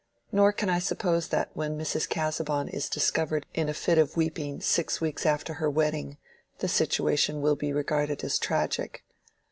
Nor can I suppose that when Mrs. Casaubon is discovered in a fit of weeping six weeks after her wedding, the situation will be regarded as tragic.